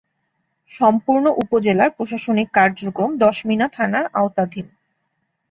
সম্পূর্ণ উপজেলার প্রশাসনিক কার্যক্রম দশমিনা থানার আওতাধীন।